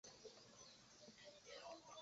威塞尔超过耶稣何等高不可攀的高度！